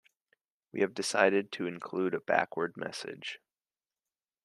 We have decided to include a backward message.